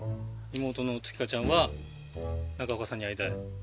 妹の月花ちゃんは中岡さんに会いたい。